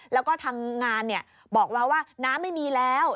แล้วก็ทางงานบอกไว้ว่าน้ำไม่มีแล้ว